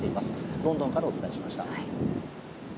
ロンドンからお伝えしました。